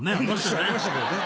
ありましたけどね。